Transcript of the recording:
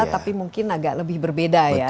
tapi mungkin agak lebih berbeda ya